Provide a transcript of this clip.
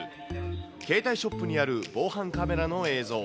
携帯ショップにある防犯カメラの映像。